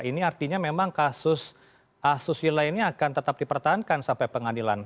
ini artinya memang kasus asusila ini akan tetap dipertahankan sampai pengadilan